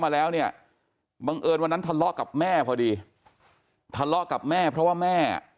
มาแล้วเนี่ยบังเอิญวันนั้นทะเลาะกับแม่พอดีทะเลาะกับแม่เพราะว่าแม่